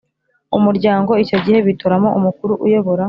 Umuryango icyo gihe bitoramo Umukuru uyobora